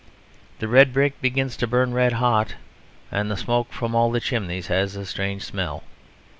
The red brick begins to burn red hot; and the smoke from all the chimneys has a strange smell.